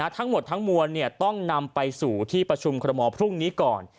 ทั้งหมดทั้งมวลต้องนำไปสู่ที่ประชุมคอรมอลพรุ่งนี้ก่อน